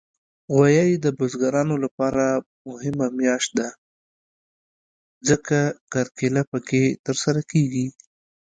غویی د بزګرانو لپاره مهمه میاشت ده، ځکه کرکیله پکې ترسره کېږي.